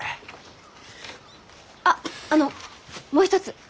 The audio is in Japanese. あっあのもう一つ。